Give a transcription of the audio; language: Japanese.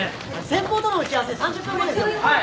先方との打ち合わせ３０分後です。